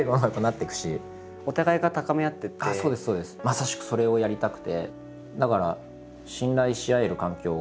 まさしくそれをやりたくて。